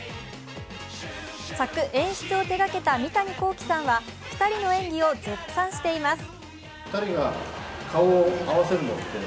作・演出を手がけた三谷幸喜さんは２人の演技を絶賛しています。